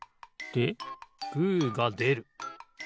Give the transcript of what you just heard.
でグーがでる。